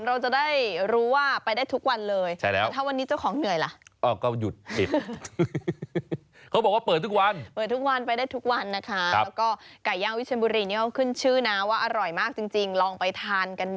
เราจะได้รู้ว่าไปได้ทุกวันเลยแต่ถ้าวันนี้เจ้าของเหนื่อยล่ะ